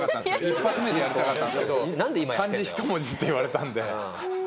１発目でやりたかったんすけど「漢字一文字」って言われたんで。